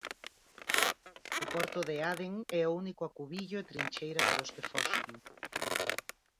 O porto de Aden é o único acubillo e trincheira para os que foxen.